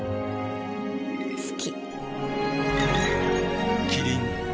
好き。